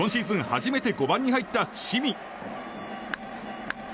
初めて５番に入った伏見。